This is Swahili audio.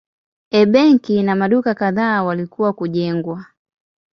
A benki na maduka kadhaa walikuwa kujengwa.